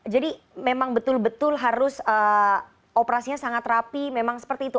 jadi memang betul betul harus operasinya sangat rapi memang seperti itu